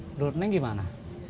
menurut neng gimana